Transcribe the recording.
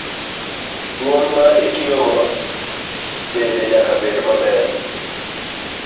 Dwol ma itiyogo bende nyaka bed maber.